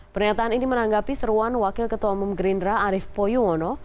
pernyataan ini menanggapi seruan wakil ketua umum gerindra arief poyuwono